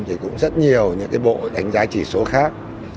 thì cũng rất nhiều những cái bộ đánh giá chỉ số khác